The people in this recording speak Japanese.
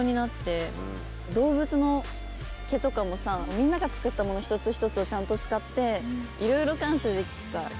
動物の毛とかもさみんなが作ったもの一つ一つをちゃんと使って。